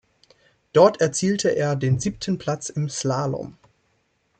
Dort erzielte er den siebten Platz im Slalom.